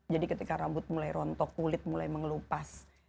jadi ketika rambut mulai rontok kulit mulai mengelupas